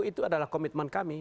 itu adalah komitmen kami